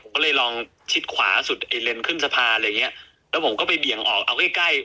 ผมก็เลยลองชิดขวาสุดไอ้เลนขึ้นสะพานอะไรอย่างเงี้ยแล้วผมก็ไปเบี่ยงออกเอาใกล้ใกล้